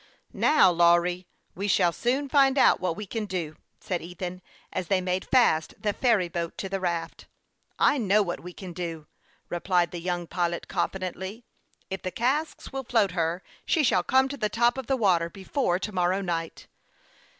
" Now, Lawry, we shall soon find out what we can do," said Ethan, as they made fast the ferry boat to the raft. " I know what we can do now," replied the young pilot, confidently. " If the casks will float her, she shall come tq the top of the water before to morrow night.